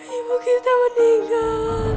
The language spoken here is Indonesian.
ibu kita meninggal